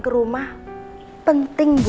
ke rumah penting bu